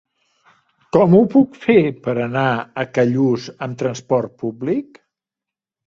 Com ho puc fer per anar a Callús amb trasport públic?